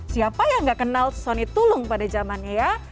siapa yang gak kenal sony tulung pada zamannya ya